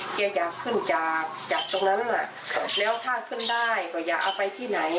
แกอยากขึ้นจากจากตรงนั้นแล้วถ้าขึ้นได้ก็อย่าเอาไปที่ไหน